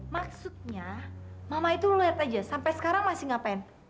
maksudnya mama itu lihat aja sampai sekarang masih ngapain